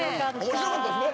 面白かったですね。